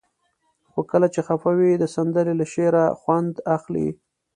خو کله چې خفه وئ د سندرې له شعره خوند اخلئ.